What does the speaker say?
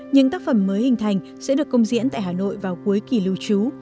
những tác phẩm mới hình thành sẽ được công diễn tại hà nội vào cuối kỳ lưu trú